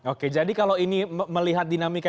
oke jadi kalau ini melihat dinamika